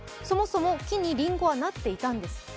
そもそも木にりんごはなっていたんです。